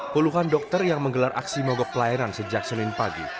puluhan dokter yang menggelar aksi mogok pelayanan sejak senin pagi